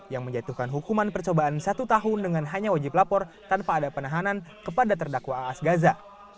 yang menjatuhkan hukuman percobaan satu tahun dengan hanya wajib lapor tanpa ada penahanan kepada terdakwa aas gaza